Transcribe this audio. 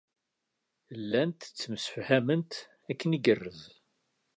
Llant ttemsefhament akken igerrez.